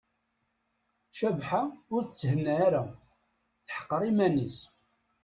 Cabḥa ur tettthenna ara, teḥqer iman-is.